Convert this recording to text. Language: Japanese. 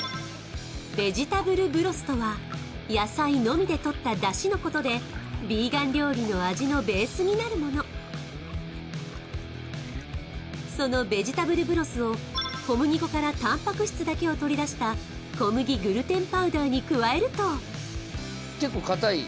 ベジタブルブロスとは野菜のみで取った出汁のことでヴィーガン料理の味のベースになるものそのベジタブルブロスを小麦粉からたんぱく質だけを取り出した小麦グルテンパウダーに加えると結構硬い？